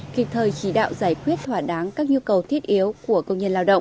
kịp thời chỉ đạo giải quyết thỏa đáng các nhu cầu thiết yếu của công nhân lao động